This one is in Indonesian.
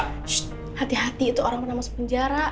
shhh hati hati itu orang yang pernah masuk penjara